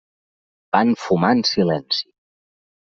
Van fumar en silenci.